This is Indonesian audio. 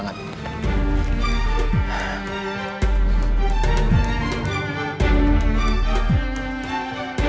masa udah kita jalan